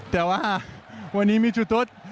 แต่ว่าวันนี้มีชุดทด